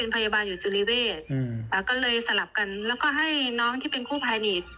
ประมาณ๒๐นาทีค่ะ